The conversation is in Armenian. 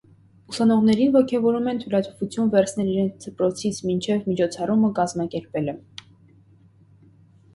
Ուսանողներին ոգևորում են թույլտվություն վերցնել իրենց դպրոցից մինչև միջոցառումը կազմակերպելը։